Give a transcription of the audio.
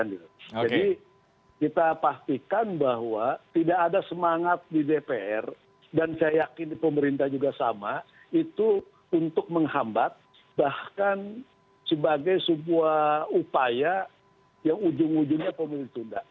jadi kita pastikan bahwa tidak ada semangat di dpr dan saya yakin pemerintah juga sama itu untuk menghambat bahkan sebagai sebuah upaya yang ujung ujungnya pemilu ditunda